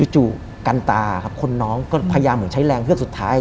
จู่กันตาครับคนน้องก็พยายามเหมือนใช้แรงเฮือกสุดท้าย